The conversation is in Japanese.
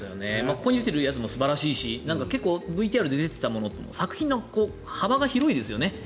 ここに出ているやつも素晴らしいし結構ＶＴＲで出てたものも作品の幅が広いですよね。